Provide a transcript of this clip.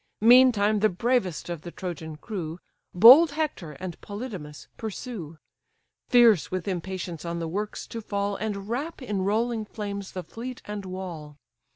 Meantime, the bravest of the Trojan crew, Bold Hector and Polydamas, pursue; Fierce with impatience on the works to fall, And wrap in rolling flames the fleet and wall.